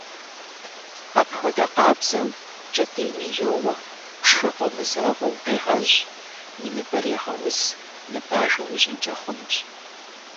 Апхуэдэ къабзэу, кӀэтӀийми йоуэ, пшхыр къомызэгъыу укъегъэжь, уи ныбэр егъэуз, ныбажэ уищӏынкӏэ хъунущ.